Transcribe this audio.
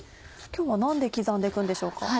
今日は何で刻んで行くんでしょうか？